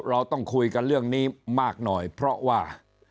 เราต้องคุยกันเรื่องนี้มากหน่อยเพราะว่า